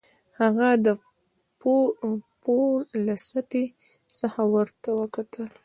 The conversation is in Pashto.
هغه د پوړ له سطحې څخه ورته وکتل